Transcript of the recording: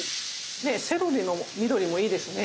セロリの緑もいいですね。